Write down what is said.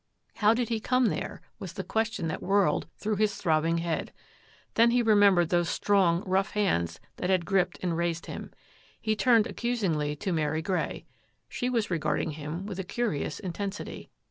How did he come there, was the question that whirled through his throbbing head. Then he remembered those strong, rough hands that had gripped and raised him. He turned accusingly to Mary Grey. She was regarding him with a curi ous intensity.